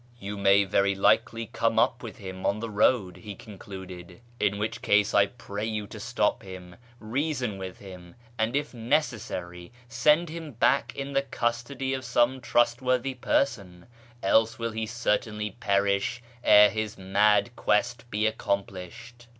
" You may very likely come up with him on the road," he concluded, " in which case I pray you to stop him, reason with him, and if necessary send him back in the custody of some trustworthy person, else will he certainly perish ere his mad quest be accomplished."